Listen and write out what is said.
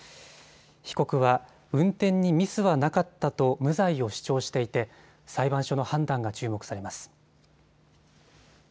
被告は運転にミスはなかったと無罪を主張していて裁判所の判断が注目されます。